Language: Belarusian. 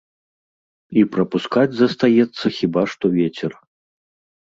І прапускаць застаецца хіба што вецер.